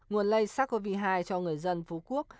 nguồn lây sars cov hai cho người dân phú quốc